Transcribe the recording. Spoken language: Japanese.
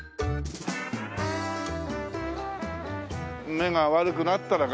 目が悪くなったら眼科。